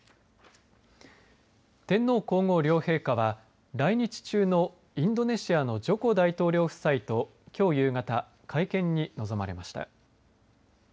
天皇皇后両陛下は来日中のインドネシアのジョコ大統領夫妻ときょう夕方、会見に臨まれました。